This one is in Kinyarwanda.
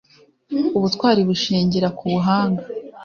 ubutwari bushingira ku buhanga